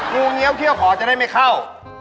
งูเงี้ยวเขี้ยวขอจะได้ไม่เข้า